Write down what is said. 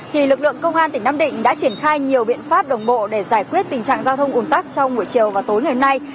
thì lực lượng công an tỉnh nam định đã triển khai nhiều biện pháp đồng bộ để giải quyết tình trạng giao thông ủn tắc trong buổi chiều và tối ngày nay